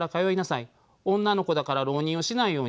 女の子だから浪人をしないように。